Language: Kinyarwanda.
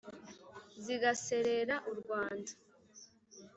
zikaserera u rwanda.